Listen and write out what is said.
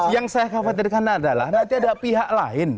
yang saya khawatirkan adalah nanti ada pihak lain